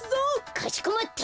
かしこまった！